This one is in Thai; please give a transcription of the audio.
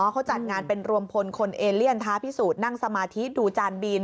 เขาจัดงานเป็นรวมพลคนเอเลียนท้าพิสูจน์นั่งสมาธิดูจานบิน